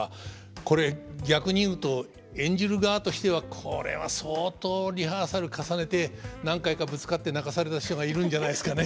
これ逆に言うと演じる側としてはこれは相当リハーサル重ねて何回かぶつかって泣かされた人がいるんじゃないですかね。